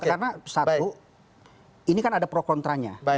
karena satu ini kan ada pro kontranya